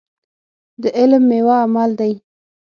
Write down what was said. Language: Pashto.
د علم ميوه عمل دی.